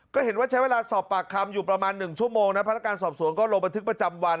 ก็เห็นว่าใช้เวลาสอบปากคำอยู่ประมาณ๑ชั่วโมงนะพนักการสอบสวนก็ลงบันทึกประจำวัน